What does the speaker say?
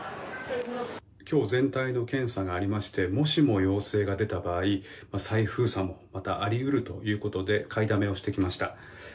今日全体の検査がありましてもしも陽性が出た場合再封鎖もまたあり得るということで買いだめをしてきました。